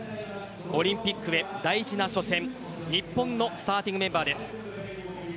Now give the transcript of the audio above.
オリンピックへ大事な初戦日本のスターティングメンバーです。